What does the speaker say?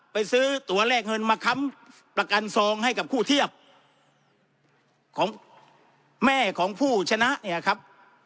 ไปซื้อตัวเลขเงินมาค้ำประกันซองให้กับคู่เทียบของแม่ของผู้ชนะเนี่ยครับ